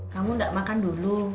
kamu gak makan dulu